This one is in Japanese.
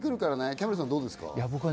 キャンベルさん、どうですか？